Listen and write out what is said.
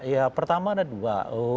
ya pertama ada dua